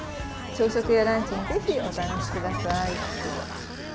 朝食やランチにぜひ、お試しください。